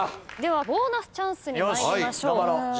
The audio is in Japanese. ではボーナスチャンスに参りましょう。